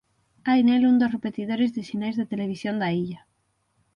Hai nel un dos repetidores de sinais de televisión da illa.